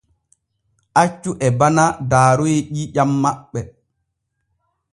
Accu e bana daaroy ƴiiƴam maɓɓe.